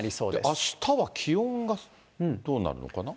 あしたは気温がどうなるのかな。